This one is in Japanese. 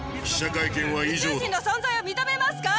宇宙人の存在を認めますか？